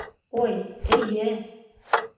Ой, эйе!